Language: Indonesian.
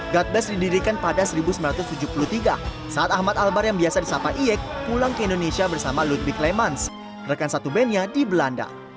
god best didirikan pada seribu sembilan ratus tujuh puluh tiga saat ahmad albar yang biasa disapa iyek pulang ke indonesia bersama lutwig lemans rekan satu bandnya di belanda